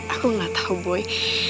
aku gak tau boy